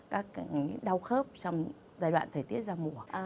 các đau khớp trong giai đoạn thời tiết ra mùa